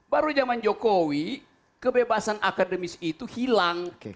baru zaman jokowi kebebasan akademis itu hilang